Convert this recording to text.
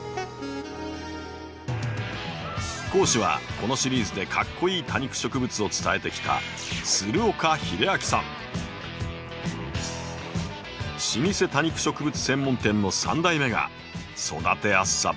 講師はこのシリーズでかっこイイ多肉植物を伝えてきた老舗多肉植物専門店の３代目が育てやすさ抜群の多肉を披露します。